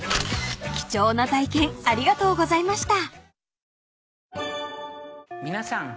［貴重な体験ありがとうございました］